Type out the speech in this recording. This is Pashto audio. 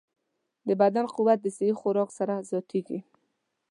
د بدن قوت د صحي خوراک سره زیاتېږي.